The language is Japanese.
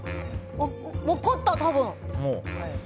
分かった、多分。